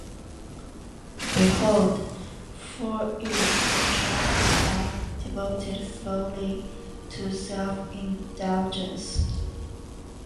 Behold, for you tread a path devoted solely to self-indulgence,